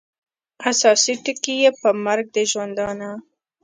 اساسي ټکي یې پر مرګ د ژوندانه